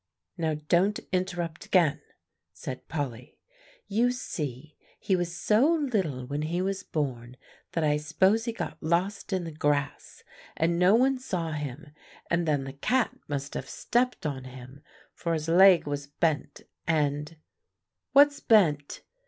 Now, don't interrupt again," said Polly. "You see, he was so little when he was born, that I s'pose he got lost in the grass, and no one saw him; and then the cat must have stepped on him, for his leg was bent, and" "What's bent?"